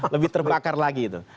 lebih terbakar lagi itu